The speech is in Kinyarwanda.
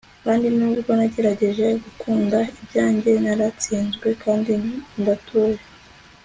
kandi nubwo nagerageje gukunda ibyanjye, naratsinzwe kandi ndatuye